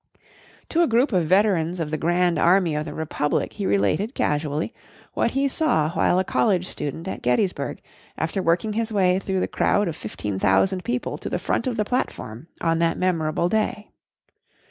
To a group of veterans of the Grand Army of the Republic he related, casually, what he saw while a college student at Gettysburg, after working his way through the crowd of fifteen thousand people to the front of the platform on that memorable day.